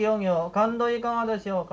感度いかがでしょうか？